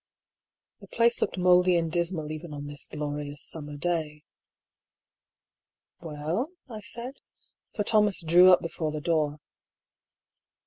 The place looked mouldy and dismal even on this glorious summer day. " Well? " I said, for Thomas drew up before the door.